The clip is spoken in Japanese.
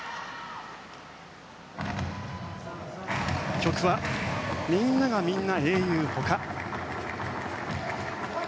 曲は「みんながみんな英雄」他。